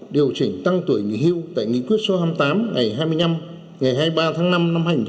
điều chỉnh tăng tuổi nghỉ hưu tại nghị quyết số hai mươi tám ngày hai mươi năm ngày hai mươi ba tháng năm năm hai nghìn một mươi